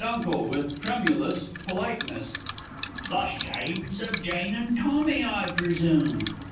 U._ (with tremulous politeness). The shades of Jane and Tommy, I presume?